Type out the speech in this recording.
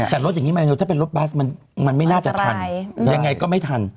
แต่รถอย่างนี้มาเร็วถ้าเป็นรถบัสมันไม่น่าจะทันยังไงก็ไม่ทัน